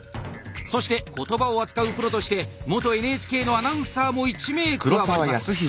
そして言葉を扱うプロとして元ＮＨＫのアナウンサーも１名加わります。